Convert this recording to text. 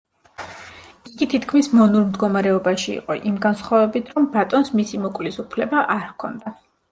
იგი თითქმის მონურ მდგომარეობაში იყო იმ განსხვავებით, რომ ბატონს მისი მოკვლის უფლება არ ჰქონდა.